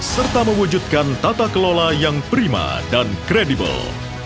serta mewujudkan tata kelola yang prima dan kredibel